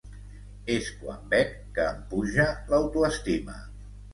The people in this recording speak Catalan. És quan bec que em puja l'autoestima.